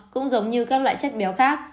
cũng giống như các loại chất béo khác